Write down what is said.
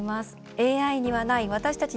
ＡＩにはない私たち